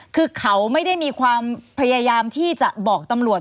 คือเขาไม่ได้มีความพยายามที่จะบอกตำรวจ